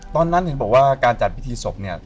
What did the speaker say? ตอนนั้นเห็นบอกว่าการจัดพิธีศพเนี่ย